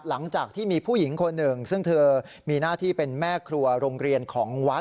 หลังจากที่มีผู้หญิงคนหนึ่งซึ่งเธอมีหน้าที่เป็นแม่ครัวโรงเรียนของวัด